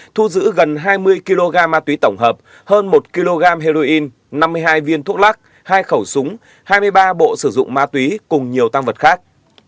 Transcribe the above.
thu giữ gần hai mươi kg ma túy tổng hợp hơn một kg heroin năm mươi hai viên thuốc lắc hai khẩu súng hai mươi ba bộ sử dụng ma túy cùng nhiều tăng vật khác